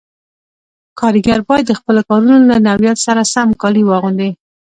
کاریګر باید د خپلو کارونو له نوعیت سره سم کالي واغوندي.